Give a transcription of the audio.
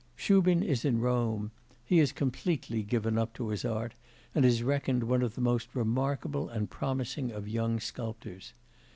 Shubin is in Rome; he is completely given up to his art and is reckoned one of the most remarkable and promising of young sculptors.